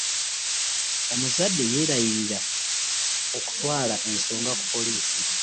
Omuzadde yelayirira okutwala ensonga ku poliisi